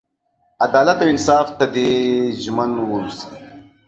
عدالت او انصاف ته دې ژمن ووسي.